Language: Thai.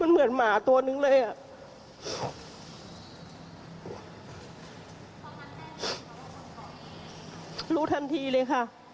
เหมือนหมาตัวหนึ่งเลย